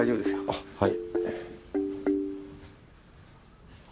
あっはい。